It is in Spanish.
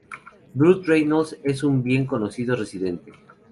Burt Reynolds es un bien conocido residente.